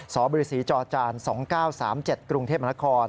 สอบริษีจอจาน๒๙๓๗กรุงเทพมค